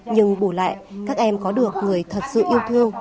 nhưng bù lại các em có được người thật sự yêu thương